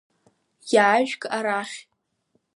Иаажәг арахь!